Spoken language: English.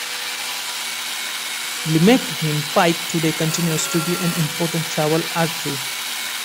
Limekiln Pike today continues to be an important travel artery.